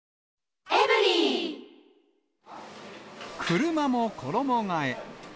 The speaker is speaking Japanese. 車も衣がえ。